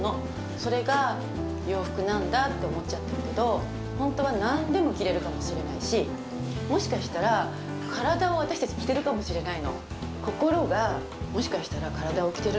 それが洋服なんだと思っちゃってるけど本当は何でも着れるかもしれないしもしかしたら心がもしかしたら体を着てるのかなって思うの。